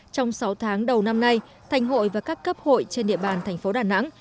trong sáu tháng đầu năm nay thành hội và các cấp hội trên địa bàn thành phố đà nẵng